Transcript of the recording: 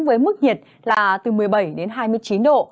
với mức nhiệt là từ một mươi bảy độ